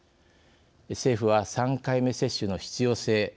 政府は、３回目接種の必要性